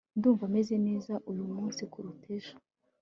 ndumva meze neza uyu munsi kuruta ejo